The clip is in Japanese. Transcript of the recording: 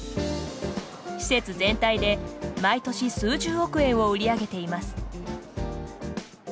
施設全体で毎年数十億円を売り上げています。